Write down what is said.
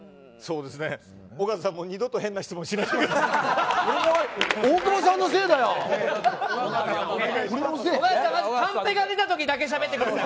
尾形さんも二度と変な質問しないでください。